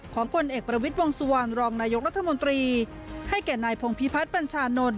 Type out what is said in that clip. ผลเอกประวิทย์วงสุวรรณรองนายกรัฐมนตรีให้แก่นายพงพิพัฒน์บัญชานนท์